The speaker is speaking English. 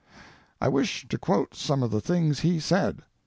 I wish to quote some of the things he said.